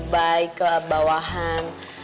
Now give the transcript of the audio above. baik ke bawahan